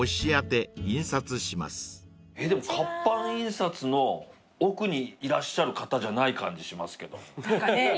活版印刷の奥にいらっしゃる方じゃない感じしますけど。